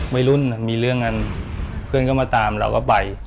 ไว้รุ่นมีเรื่องงานเค้นก็มาตามเราก็ไป